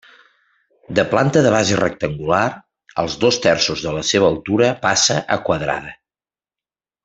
De planta de base rectangular, als dos terços de la seva altura passa a quadrada.